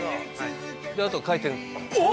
あとは回転。